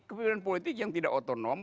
kepemimpinan politik yang tidak otonom